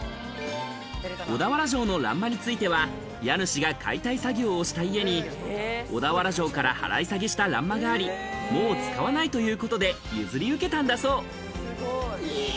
小田原城の欄間については家主が解体作業をした家に小田原城から払い下げした欄間があり、もう使わないということで譲り受けたんだそう。